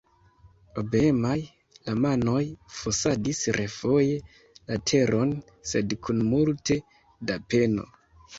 Obeemaj, la manoj fosadis refoje la teron, sed kun multe da peno.